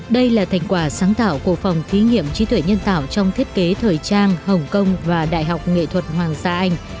đây là thành quả sáng tạo của phòng thí nghiệm trí tuệ nhân tạo trong thiết kế thời trang hồng kông và đại học nghệ thuật hoàng gia anh